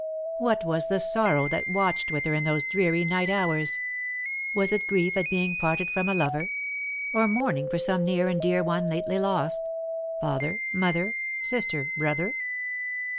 What was the sorrow that watched with her in those dreary night hours? Was it grief at being parted from a lover; or mourning for some near and dear one lately lost: father, mother, sister, brother?